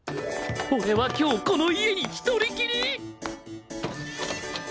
俺は今日この家に１人きり！？